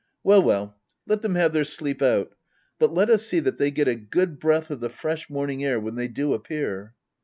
Well well — let them have their sleep out. But let us see that they get a good breath of the fresh morning air when they do appear.